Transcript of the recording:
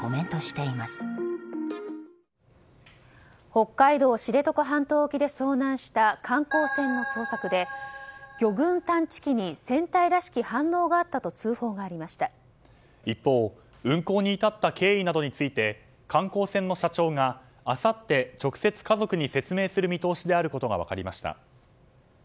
北海道知床半島沖で遭難した観光船の捜索で魚群探知機に船体らしき反応があったと一方、運航に至った経緯などについて観光船の社長があさって直接、家族に説明する見通しであることが分かりました。